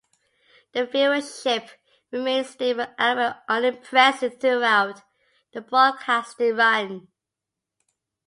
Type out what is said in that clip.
The viewership remained stable albeit unimpressive throughout the broadcasting run.